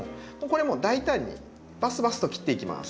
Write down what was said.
これもう大胆にバスバスと切っていきます。